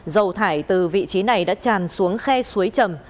dầu thải từ vị trí này đã tràn xuống khe suối trầm